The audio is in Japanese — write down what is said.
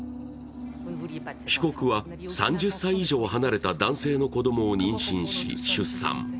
被告は３０歳以上離れた男性の子供を妊娠し、出産。